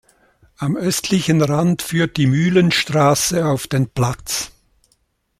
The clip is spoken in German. Am östlichen Rand führt die "Mühlenstraße" auf den Platz.